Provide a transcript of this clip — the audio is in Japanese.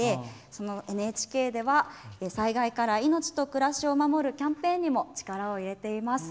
そのＮＨＫでは「災害から命と暮らしを守る」キャンペーンにも力を入れています。